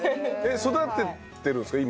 育ててるんですか？